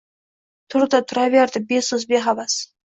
Turdi, turaverdi beso‘z, behavas.